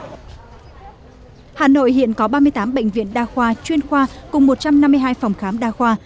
hà nội hiện có ba mươi tám bệnh viện đa khoa chuyên khoa cùng một trăm năm mươi hai phòng khám đa khoa